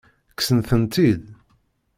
Kksen-tent-id?